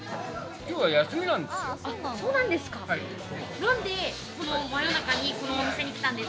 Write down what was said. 今日は休みなんです。